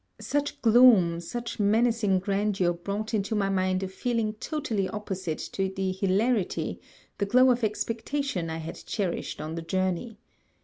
Such gloom, such menacing grandeur brought into my mind a feeling totally opposite to the hilarity, the glow of expectation I had cherished on the journey.